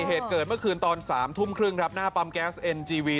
เหตุเกิดเมื่อคืนตอน๓ทุ่มครึ่งครับหน้าปั๊มแก๊สเอ็นจีวี